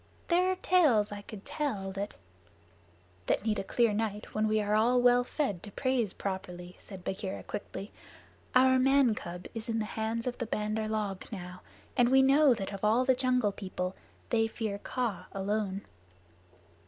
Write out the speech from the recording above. There are tales I could tell that " "That need a clear night when we are all well fed to praise properly," said Bagheera quickly. "Our man cub is in the hands of the Bandar log now, and we know that of all the Jungle People they fear Kaa alone."